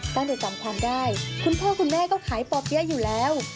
ตั้งแต่จำความได้คุณพ่อคุณแม่ก็ขายป่อเปี๊ยะอยู่แล้ว